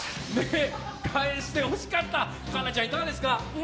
返してほしかった、環奈ちゃんいかがですか？